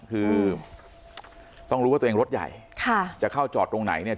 คือต้องรู้ว่าตัวเองรถใหญ่ค่ะจะเข้าจอดตรงไหนเนี่ย